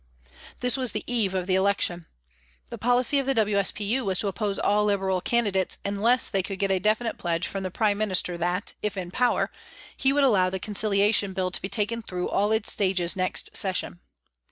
This was the eve of the election. The policy of the W.S.P.U. was to oppose all Liberal candidates unless they could get a definite pledge from the Prime Minister that, if in power, he would allow the Conciliation Bill to be taken through all its stages next Session.